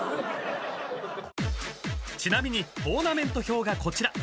［ちなみにトーナメント表がこちら］